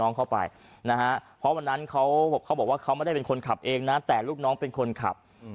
โอเคยอมรับ